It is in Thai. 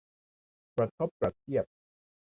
กระทบกระเทียบ